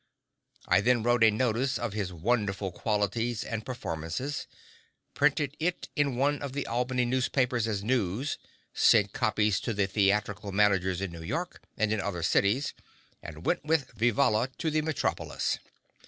I then wrote a notice of his wonderful qualities and performances, printed it in one of the Albany papers as news, sent copies to the theatrical managers in New York and in other cities, and went with Vivalla to the metropolis.